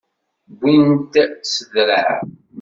Wwin-t s ddreε.